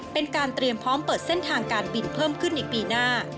เป็นการเตรียมพร้อมเปิดเส้นทางการบินเพิ่มขึ้นในปีหน้า